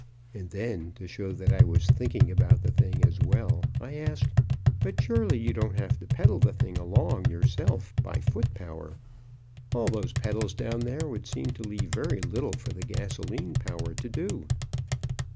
And then, to show that I was thinking about the thing as well, I asked: "But surely you don't have to pedal the thing along yourself by foot power! All those pedals down there would seem to leave very little for the gasoline power to do."